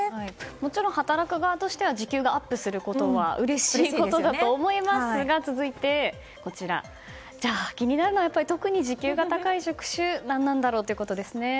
もちろん、働く側としては時給がアップするのはうれしいことだと思いますが続いて、気になるのは特に時給が高い職種は何なんだろうということですね。